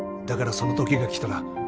だからその時が来たら